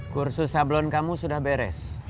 kursus sablon kamu sudah beres